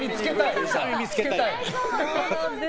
つけたい。